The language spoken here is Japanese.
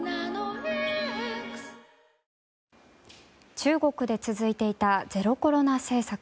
中国で続いていたゼロコロナ政策。